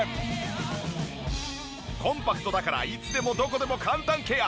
コンパクトだからいつでもどこでも簡単ケア。